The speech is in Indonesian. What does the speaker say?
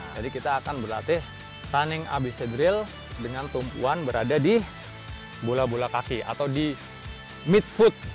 jadi kita akan berlatih running abyssal drill dengan tumpuan berada di bola bola kaki atau di mid foot